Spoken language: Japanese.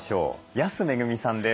安めぐみさんです。